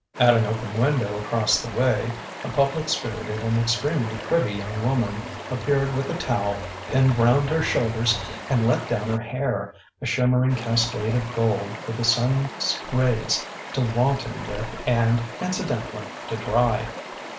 At an open window across the way a public spirited and extremely pretty young woman appeared with a towel pinned round her shoulders and let down her hair, a shimmering cascade of gold for the sun's rays to wanton with and, incidentally, to dry.